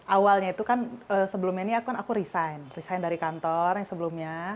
awalnya itu kan sebelumnya aku resign dari kantor yang sebelumnya